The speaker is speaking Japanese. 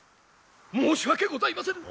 申し訳ございませぬ。